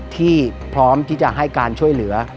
พร้อมที่จะให้การช่วยเหลือ